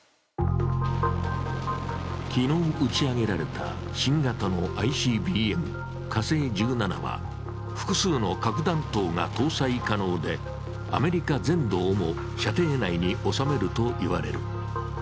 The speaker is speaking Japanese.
昨日打ち上げられた新型のＩＣＢＭ・火星１７は複数の核弾頭が搭載可能で、アメリカ全土をも射程内におさめると言われる。